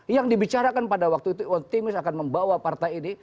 yang dibicarakan pada waktu itu optimis akan membawa partai ini